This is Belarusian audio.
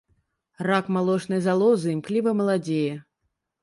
Рак малочнай залозы імкліва маладзее.